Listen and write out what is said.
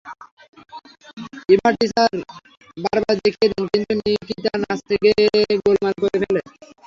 Eva teacher বারবার দেখিয়ে দেন, কিন্তু নিকিতা নাচতে গিয়ে গোলমাল করে ফেলে।